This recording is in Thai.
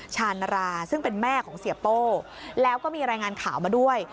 ชานราซึ่งเป็นแม่ของเสียโป้แล้วก็มีรายงานข่าวมาด้วย